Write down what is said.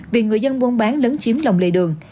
vì người dân buôn bán lấn chiếm lòng lề đường